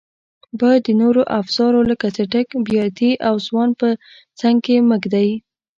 باید د نورو افزارو لکه څټک، بیاتي او سوان په څنګ کې مه ږدئ.